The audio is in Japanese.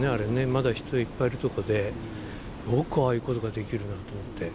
まだ人いっぱいいる所で、よくああいうことができるなと思って。